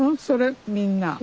それみんな。